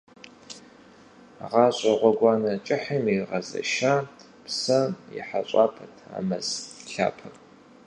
Гъащӏэ гъуэгуанэ кӏыхьым иригъэзэша псэм и хэщӏапӏэт а мэз лъапэр.